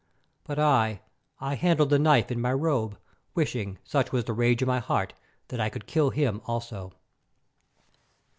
But I, I handled the knife in my robe, wishing, such was the rage in my heart, that I could kill him also.